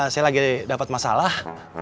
saya lagi dapat masalah